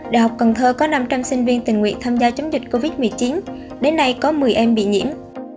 đh cần thơ có năm trăm linh sinh viên tình nguyện tham gia chấm dịch covid một mươi chín đến nay có một mươi em bị nhiễm